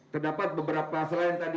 terdapat beberapa selain tadi